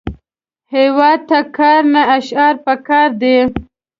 هیواد ته کار، نه شعار پکار دی